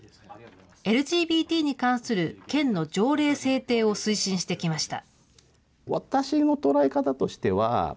ＬＧＢＴに関する県の条例制定を推進してきました。